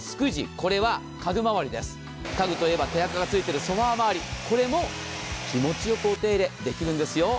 これは家具回りです、家具といえば手あかがついてるソファー回り、これも気持ちよくお手入れできるんですよ。